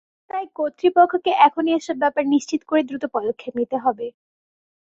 তাই কর্তৃপক্ষকে এখনই এসব ব্যাপার নিশ্চিত করে দ্রুত পদক্ষেপ নিতে হবে।